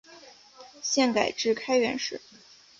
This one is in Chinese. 现改置开原市。